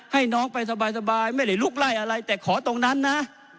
ให้น้องไปสบายไม่ได้ลุกไล่อะไรแต่ขอตรงนั้นนะ